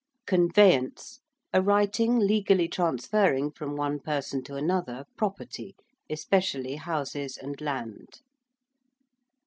~conveyance~: a writing legally transferring from one person to another property, especially houses and land.